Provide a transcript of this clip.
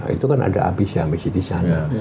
itu kan ada abis yang bisa disana